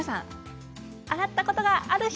洗ったことがある人。